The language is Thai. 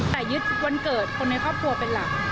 แต่ยึดวันเกิดคนในครอบครัวเป็นหลัก